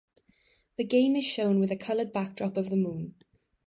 The game is shown with a colored backdrop of the moon.